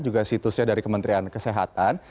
juga situsnya dari kementerian kesehatan